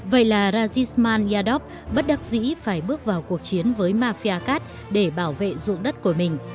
vậy là razisman yadop bất đắc dĩ phải bước vào cuộc chiến với mafia cát để bảo vệ dụng đất của mình